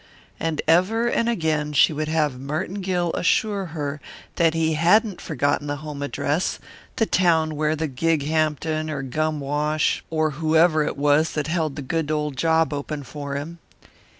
And ever and again she would have Merton Gill assure her that he hadn't forgotten the home address, the town where lived Gighampton or Gumwash or whoever it was that held the good old job open for him.